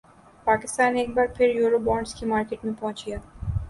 پاکستان ایک بار پھر یورو بانڈز کی مارکیٹ میں پہنچ گیا